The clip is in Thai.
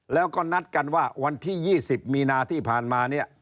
แล้วก็นัดกันว่าวันที่๒๐มีนาที่ผ่านมาเนี่ย